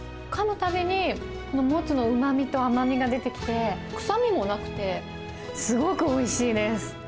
たびに、モツのうまみと甘みが出てきて、臭みもなくて、すごくおいしいです。